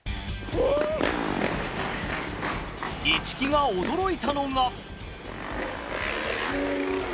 市來が驚いたのが。